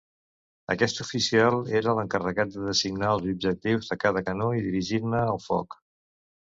Aquest oficial era l'encarregat de designar els objectius de cada canó i dirigir-ne el foc.